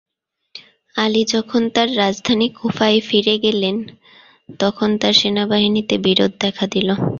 আলী যখন তার রাজধানী কুফায় ফিরে গেলেন, তখন তাঁর সেনাবাহিনীতে বিরোধ দেখা দিল।